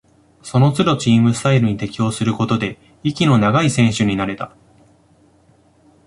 そのつどチームスタイルに適応することで、息の長い選手になれた